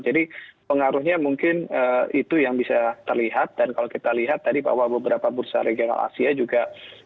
jadi pengaruhnya mungkin itu yang bisa terlihat dan kalau kita lihat tadi bahwa beberapa bursa regional asia juga